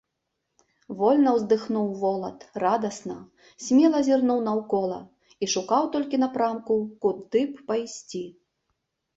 Вольна ўздыхнуў волат, радасна, смела зірнуў наўкола і шукаў толькі напрамку, куды б пайсці.